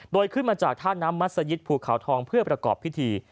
โดยขึ้นมาจากท่าน้ำมัศยิตภูเขาทองเพื่อประกอบพิธี